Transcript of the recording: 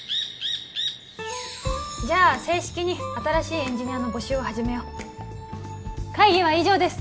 じゃあ正式に新しいエンジニアの募集を始めよう会議は以上です